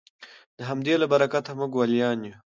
د همدې له برکته موږ ولیان یو